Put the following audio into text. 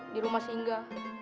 di rumah singga